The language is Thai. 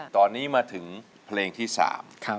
ตอนนี้มาถึงเพลงที่สาม